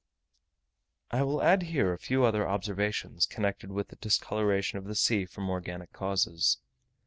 I will add here a few other observations connected with the discoloration of the sea from organic causes.